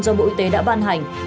do bộ y tế đã ban hành